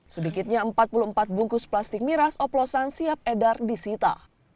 sedikitnya empat puluh empat bungkus plastik miras oplosan siap edar disita